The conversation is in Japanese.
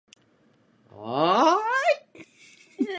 ああああああああああああああああい